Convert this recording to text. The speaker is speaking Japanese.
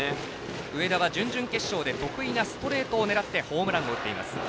上田は準々決勝で得意なストレートを狙ってホームランを打っています。